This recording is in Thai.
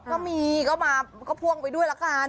ก็มีก็มาก็พ่วงไปด้วยละกัน